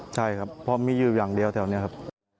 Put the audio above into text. ใช่ครับเพราะมีอยู่อย่างเดียวแถวนี้ครับ